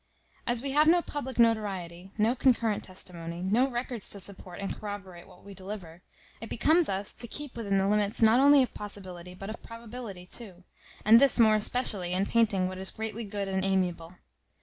As we have no public notoriety, no concurrent testimony, no records to support and corroborate what we deliver, it becomes us to keep within the limits not only of possibility, but of probability too; and this more especially in painting what is greatly good and amiable.